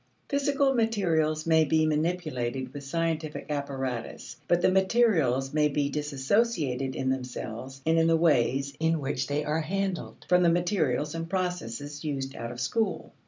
Physical materials may be manipulated with scientific apparatus, but the materials may be disassociated in themselves and in the ways in which they are handled, from the materials and processes used out of school.